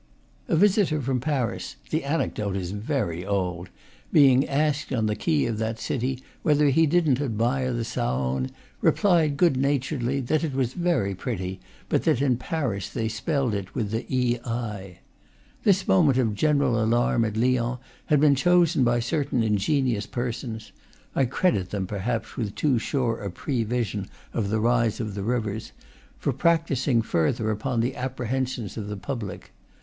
A visitor from Paris (the anecdote is very old), being asked on the quay of that city whether he didn't ad mire the Saone, replied good naturedly that it was very pretty, but that in Paris they spelled it with the ei. This moment of general alarm at Lyons had been chosen by certain ingenious persons (I credit them, perhaps, with too sure a prevision of the rise of the rivers) for practising further upon the appre hensions of the public.